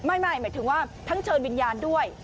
หมายถึงว่าทั้งเชิญวิญญาณด้วย